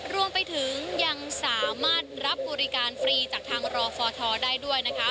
รวมไปถึงยังสามารถรับบริการฟรีจากทางรอฟทได้ด้วยนะคะ